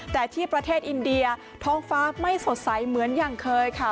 แต่ที่ประเทศอินเดียท้องฟ้าไม่สดใสเหมือนอย่างเคยค่ะ